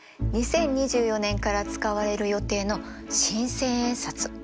２０２４年から使われる予定の新千円札。